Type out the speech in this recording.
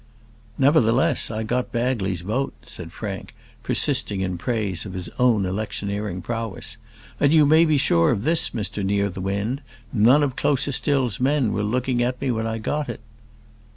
"Nevertheless I got Bagley's vote," said Frank, persisting in praise of his own electioneering prowess; "and you may be sure of this, Mr Nearthewinde, none of Closerstil's men were looking at me when I got it."